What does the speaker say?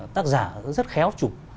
tác giả rất khéo chụp